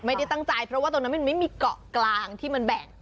ไม่ได้ตั้งใจเพราะว่าตรงนั้นมันไม่มีเกาะกลางที่มันแบ่ง